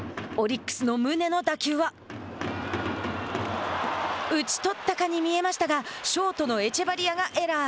オリックスの宗の打球は打ち取ったかに見えましたがショートのエチェバリアがエラー。